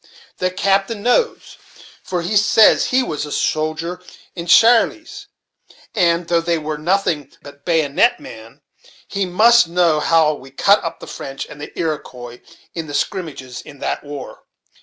The captain knows, for he says he was a soldier in Shirley's; and, though they were nothing but baggonet men, he must know how we cut up the French and Iroquois in the skrimmages in that war.